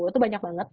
itu banyak banget